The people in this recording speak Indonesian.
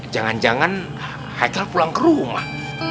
jangan jangan haikal pulang ke rumah